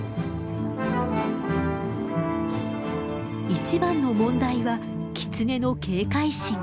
一番の問題はキツネの警戒心。